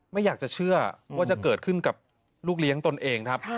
ไม่อยากจะเชื่อว่าจะเกิดขึ้นกับลูกเลี้ยงตนเองครับ